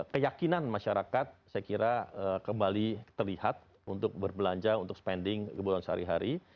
keyakinan masyarakat saya kira kembali terlihat untuk berbelanja untuk spending kebutuhan sehari hari